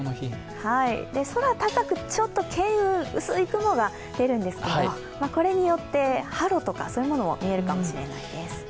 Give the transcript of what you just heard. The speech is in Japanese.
空高く、ちょっと巻雲、薄い雲が出るんですけど、これによってハロとかそういうものも見えるかもしれないです。